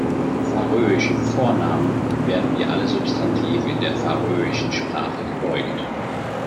Färöische "Vornamen" werden wie alle Substantive in der färöischen Sprache gebeugt.